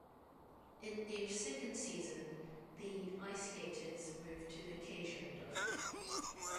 In their second season, the IceGators moved to the Cajundome.